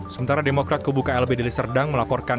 sementara demokrat kubu klb di liserdang melaporkan